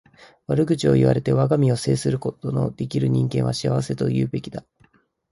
悪口を言われて我が身を正すことの出来る人間は幸せと言うべきだ。